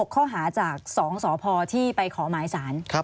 ข้อหาจาก๒สพที่ไปขอหมายสาร